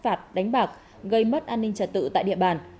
tụ tập sát phạt đánh bạc gây mất an ninh trật tự tại địa bàn